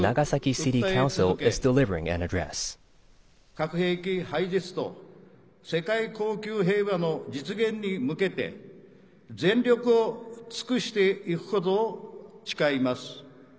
核兵器廃絶と世界恒久平和の実現に向けて全力を尽くしていくことを誓います。